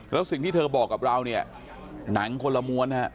แล้วสิ่งที่เธอบอกกับเราหนังคนละมวลครับ